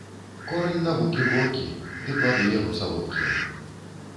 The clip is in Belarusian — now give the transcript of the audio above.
Корань навукі горкі, ды плады яго салодкія